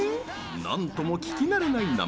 なんとも聞き慣れない名前。